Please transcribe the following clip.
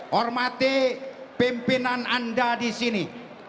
hormati pimpinan anda di sini